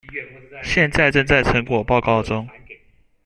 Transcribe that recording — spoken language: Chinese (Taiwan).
現在正在成果報告中